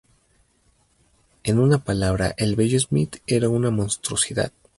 En una palabra el bello Smith era una monstruosidad.